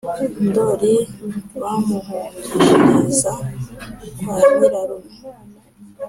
ndoli bamuhungishiriza kwa nyirarume.